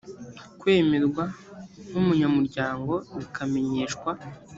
kwemerwa nk umunyamuryango bikamenyeshwa